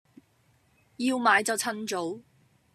要買就襯早